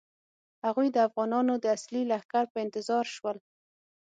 هغوی د افغانانو د اصلي لښکر په انتظار شول.